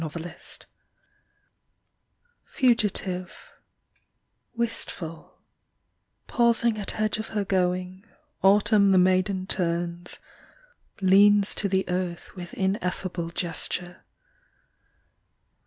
100 AUTUMN Fugitive, wistful, Pausing at edge of her going, Autumn the maiden turns, Leans to the earth with ineffable Gesture.